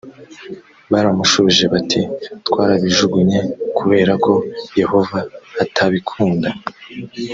baramushubije bati twarabijugunye kubera ko yehova atabikunda